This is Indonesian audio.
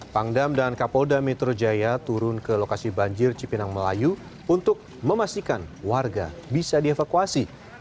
pangdam dan kapolda metro jaya turun ke lokasi banjir cipinang melayu untuk memastikan warga bisa dievakuasi